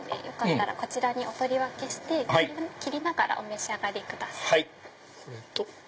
こちらにお取り分けして切りながらお召し上がりください。